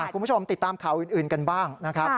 คุณผู้ชมติดตามข่าวอื่นกันบ้างนะครับ